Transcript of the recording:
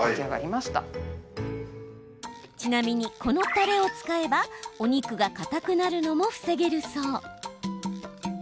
ちなみに、このたれを使えばお肉がかたくなるのも防げるそう。